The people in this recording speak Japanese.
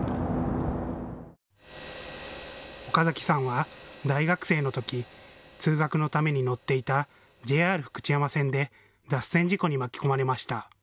岡崎さんは大学生のとき通学のために乗っていたＪＲ福知山線で脱線事故に巻き込まれました。